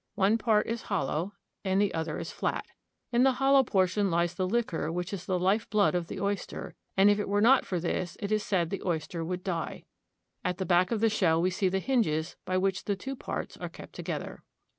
One part is hollow and the other is flat. In the hollow portion lies the liquor which is the life blood of the oyster, and if it were not for this it is said the oyster would die. At the back of the shell we see the hinges by which the two parts are kept together.